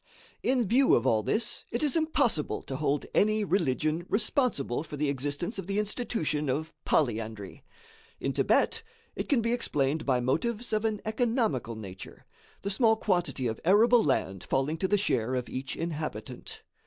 _" In view of all this it is impossible to hold any religion responsible for the existence of the institution of polyandry. In Thibet it can be explained by motives of an economical nature; the small quantity of arable land falling to the share of each inhabitant.